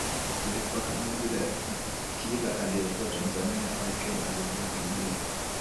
Ilikuwa kama vile kila aliyekuwa Tanzania au Kenya alikuwa akijua